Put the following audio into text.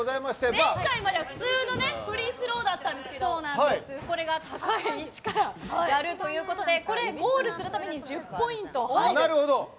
前回までは普通のフリースローだったんですけど高い位置からやるということでゴールするたびに１０ポイント。